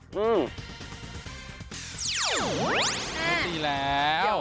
ไม่ตีแล้ว